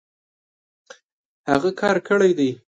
هغۀ کار کړی دی